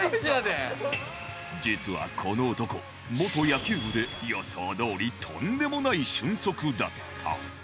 実はこの男元野球部で予想どおりとんでもない俊足だった